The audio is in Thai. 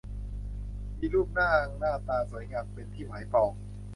มีรูปร่างหน้าตาสวยงามเป็นที่หมายปอง